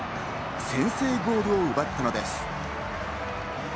先制ゴールを奪ったのです。